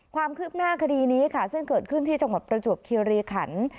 ความคืบหน้าคดีนี้ค่ะซึ่งเกิดขึ้นที่จังหวัดประจวบคิริขัน